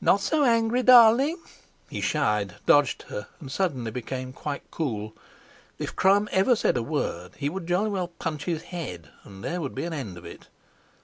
"Not so angry, darling!" He shied, dodged her, and suddenly became quite cool. If Crum ever said a word, he would jolly well punch his head, and there would be an end of it.